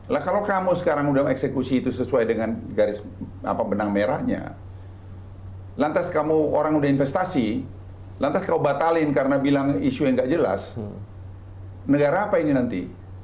lah kalau kamu sekarang udah eksekusi itu sesuai dengan garis benang merahnya lantas kamu orang udah investasi lantas kamu batalin karena bilang isu yang gak jelas negara apa ini nanti